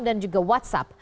dan juga whatsapp